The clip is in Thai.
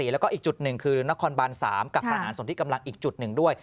แล้วก็อีกจุดหนึ่งคือนครบาน๓กับทหารส่วนที่กำลังอีกจุดหนึ่งด้วย